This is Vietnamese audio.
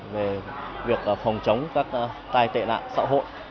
về việc phòng chống các tai tệ nạn xã hội